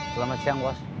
selamat siang bos